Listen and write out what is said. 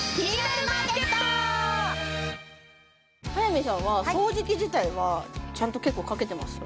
早見さんは掃除機自体はちゃんと結構かけてます？